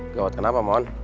gawat kenapa mon